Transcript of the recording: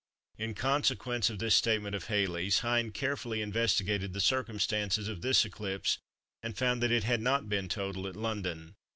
In consequence of this statement of Halley's, Hind carefully investigated the circumstances of this eclipse, and found that it had not been total at London.